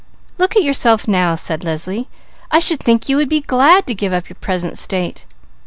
"Look at yourself now!" said Leslie. "I should think you would be glad to give up your present state."